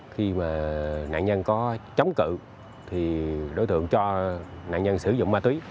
khi mà nạn nhân có chống cự thì đối tượng cho nạn nhân sử dụng ma túy